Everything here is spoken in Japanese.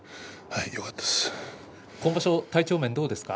よかったです。